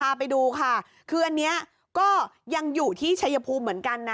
พาไปดูค่ะคืออันนี้ก็ยังอยู่ที่ชัยภูมิเหมือนกันนะ